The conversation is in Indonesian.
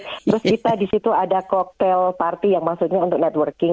terus kita di situ ada cocktail party yang maksudnya untuk networking